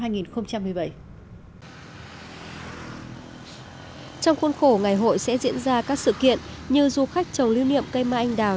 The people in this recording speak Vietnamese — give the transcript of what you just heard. trong khuôn khổ ngày hội sẽ diễn ra các sự kiện như du khách trồng lưu niệm cây mai anh đào